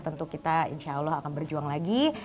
tentu kita insya allah akan berjuang lagi